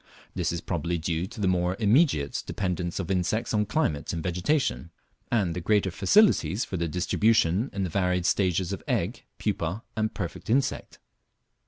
This is probably due to the more immediate dependence of insects on climate and vegetation, and the greater facilities for their distribution in the varied stages of egg, pupa, and perfect insect.